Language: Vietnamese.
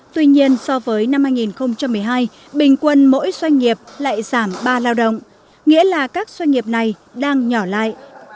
tuy nhiên so với năm hai nghìn một mươi hai bình quân mỗi doanh nghiệp lại giảm ba lao động nghĩa là các doanh nghiệp này đang nhỏ lại